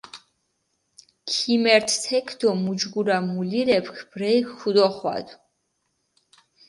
ქიმერთჷ თექ დო მუჯგურა მულირეფქ ბრელქ ქჷდოხვადუ.